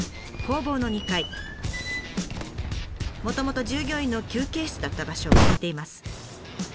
もともと従業員の休憩室だった場所を借りています。